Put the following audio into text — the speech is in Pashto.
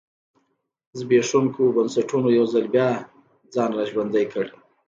زبېښونکو بنسټونو یو ځل بیا ځان را ژوندی کړ.